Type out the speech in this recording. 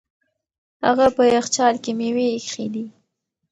هغه په یخچال کې مېوې ایښې دي.